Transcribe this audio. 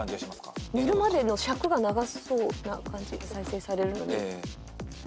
寝るまでの尺が長そうな感じが再生されるのに。